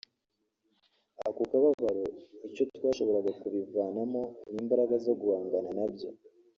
ako kababaro icyo twashobora kubivanamo ni imbaraga zo guhangana nabyo